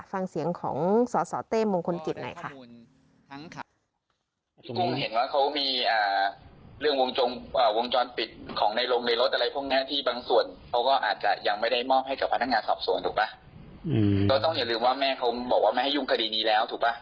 ฟังเสียงของสสเต้มงคลกิจหน่อยค่ะ